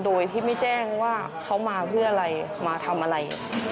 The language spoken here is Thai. โดยที่ไม่แจ้งว่าเขามาเพื่ออะไรมาทำอะไร